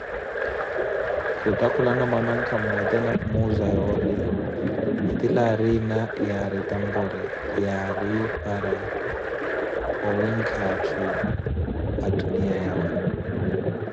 Khuttakhulana mwanankha mmote ni khumuuza yoori, etile aariina yaari tamboori, yaari para owiikha atthu atuniya yawe.